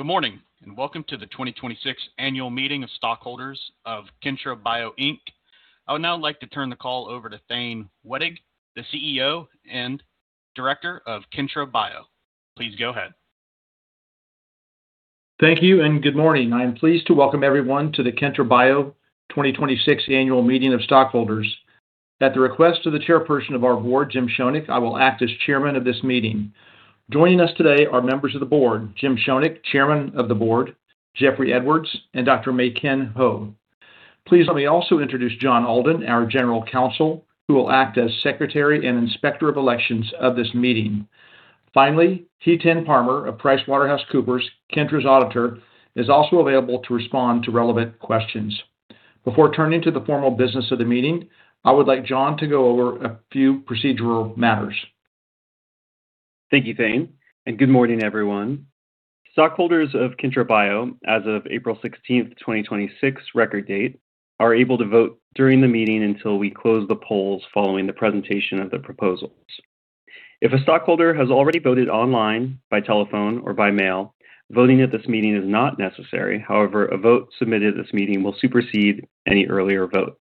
Good morning, welcome to the 2026 annual meeting of stockholders of Kyntra Bio, Inc. I would now like to turn the call over to Thane Wettig, the CEO and director of Kyntra Bio. Please go ahead. Thank you, good morning. I am pleased to welcome everyone to the Kyntra Bio 2026 annual meeting of stockholders. At the request of the chairperson of our board, Jim Schoeneck, I will act as chairman of this meeting. Joining us today are members of the board, Jim Schoeneck, chairman of the board, Jeffrey Edwards, and Dr. Maykin Ho. Please let me also introduce John Alden, our general counsel, who will act as secretary and inspector of elections of this meeting. Finally, Jitin Kalra of PricewaterhouseCoopers, Kyntra's auditor, is also available to respond to relevant questions. Before turning to the formal business of the meeting, I would like John to go over a few procedural matters. Thank you, Thane, good morning, everyone. Stockholders of Kyntra Bio as of April 16th, 2026 record date, are able to vote during the meeting until we close the polls following the presentation of the proposals. If a stockholder has already voted online, by telephone, or by mail, voting at this meeting is not necessary. However, a vote submitted at this meeting will supersede any earlier vote.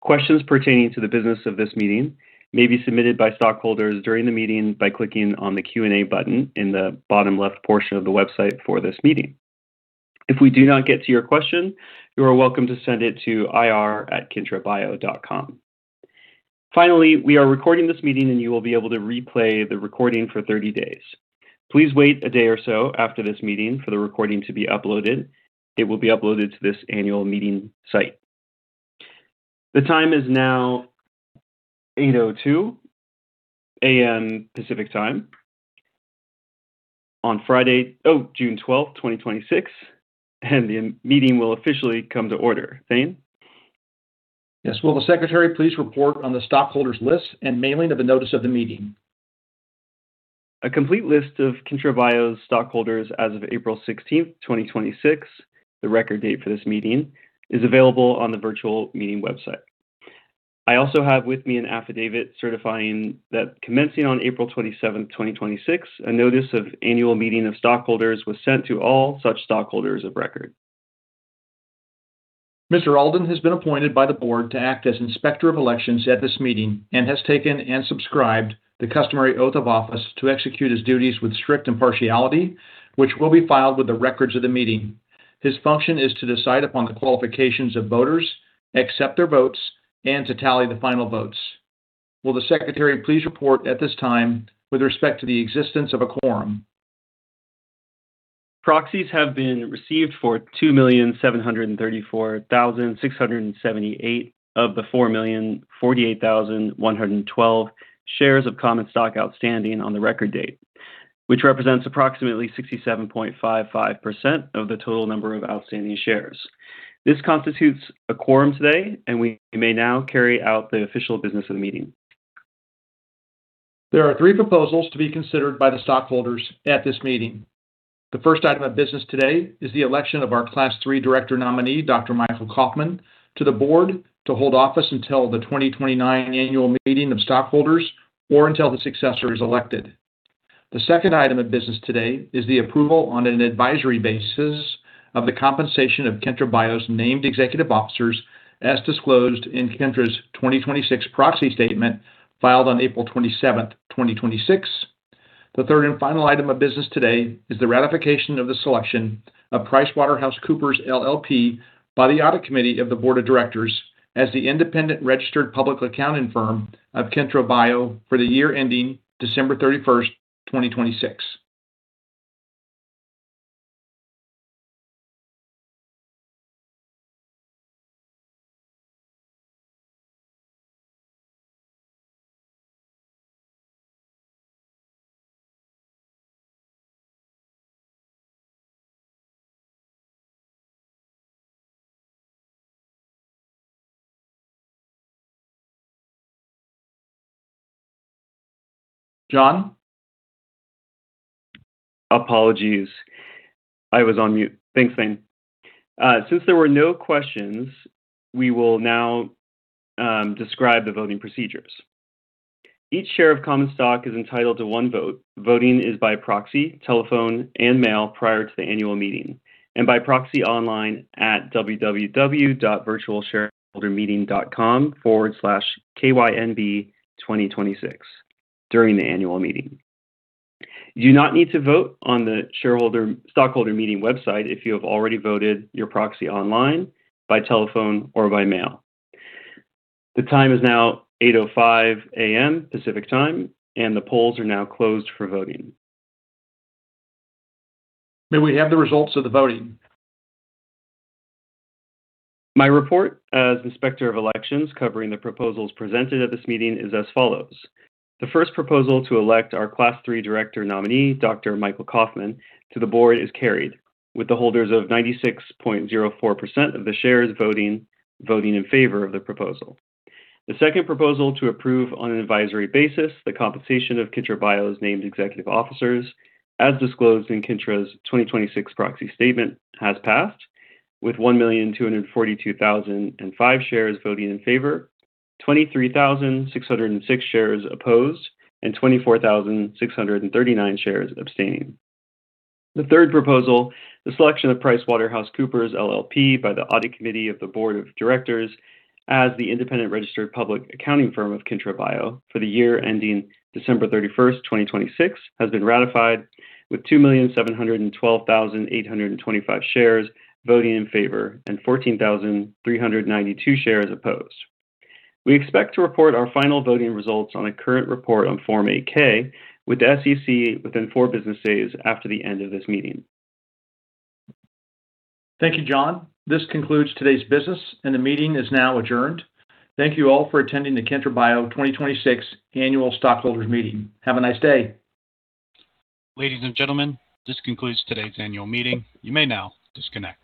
Questions pertaining to the business of this meeting may be submitted by stockholders during the meeting by clicking on the Q&A button in the bottom left portion of the website for this meeting. If we do not get to your question, you are welcome to send it to ir@kyntrabio.com. Finally, we are recording this meeting and you will be able to replay the recording for 30 days. Please wait a day or so after this meeting for the recording to be uploaded. It will be uploaded to this annual meeting site. The time is now 8:02 A.M. Pacific Time on Friday, June 12th, 2026, the meeting will officially come to order. Thane? Yes. Will the secretary please report on the stockholders list and mailing of the notice of the meeting? A complete list of Kyntra Bio's stockholders as of April 16th, 2026, the record date for this meeting, is available on the virtual meeting website. I also have with me an affidavit certifying that commencing on April 27th, 2026, a notice of annual meeting of stockholders was sent to all such stockholders of record. Mr. Alden has been appointed by the board to act as Inspector of Elections at this meeting and has taken and subscribed the customary oath of office to execute his duties with strict impartiality, which will be filed with the records of the meeting. His function is to decide upon the qualifications of voters, accept their votes, and to tally the final votes. Will the secretary please report at this time with respect to the existence of a quorum? Proxies have been received for 2,734,678 of the 4,048,112 shares of common stock outstanding on the record date, which represents approximately 67.55% of the total number of outstanding shares. This constitutes a quorum today, we may now carry out the official business of the meeting. There are three proposals to be considered by the stockholders at this meeting. The first item of business today is the election of our Class III director nominee, Dr. Michael Kauffman, to the board to hold office until the 2029 annual meeting of stockholders or until his successor is elected. The second item of business today is the approval on an advisory basis of the compensation of Kyntra Bio's named executive officers as disclosed in Kyntra's 2026 proxy statement filed on April 27th, 2026. The third and final item of business today is the ratification of the selection of PricewaterhouseCoopers LLP by the Audit Committee of the Board of Directors as the independent registered public accounting firm of Kyntra Bio for the year ending December 31st, 2026. John? Apologies. I was on mute. Thanks, Thane. Since there were no questions, we will now describe the voting procedures. Each share of common stock is entitled to one vote. Voting is by proxy, telephone, and mail prior to the annual meeting. By proxy online at www.virtualshareholdermeeting.com/kynb2026 during the annual meeting. You do not need to vote on the stockholder meeting website if you have already voted your proxy online, by telephone, or by mail. The time is now 8:05 A.M. Pacific Time, the polls are now closed for voting. May we have the results of the voting? My report as Inspector of Elections covering the proposals presented at this meeting is as follows. The first proposal to elect our Class III director nominee, Dr. Michael Kauffman, to the board is carried with the holders of 96.04% of the shares voting in favor of the proposal. The second proposal to approve on an advisory basis the compensation of Kyntra Bio's named executive officers, as disclosed in Kyntra's 2026 proxy statement, has passed with 1,242,005 shares voting in favor, 23,606 shares opposed, 24,639 shares abstaining. The third proposal, the selection of PricewaterhouseCoopers LLP by the Audit Committee of the Board of Directors as the independent registered public accounting firm of Kyntra Bio for the year ending December 31st, 2026, has been ratified with 2,712,825 shares voting in favor 14,392 shares opposed. We expect to report our final voting results on a current report on Form 8-K with the SEC within four business days after the end of this meeting. Thank you, John. This concludes today's business and the meeting is now adjourned. Thank you all for attending the Kyntra Bio 2026 annual stockholders meeting. Have a nice day. Ladies and gentlemen, this concludes today's annual meeting. You may now disconnect.